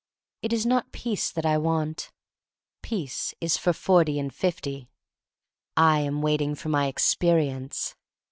It is not peace that I want. Peace is for forty and fifty. I am wait ing for my Experience.